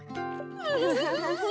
フフフフ。